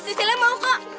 sisilnya mau kok